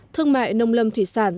thương mại nông lâm thủy sản